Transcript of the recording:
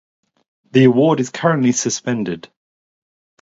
The award is currently suspended.